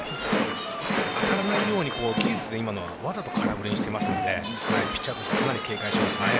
当たらないように技術でわざと空振りにしていますのでピッチャーとしてかなり警戒していますね。